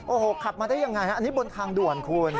โอ้โหขับมาได้ยังไงฮะอันนี้บนทางด่วนคุณ